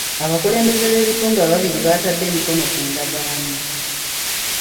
Abakulembeze b'ebitundu ababiri baatadde emikono ku ndagaano.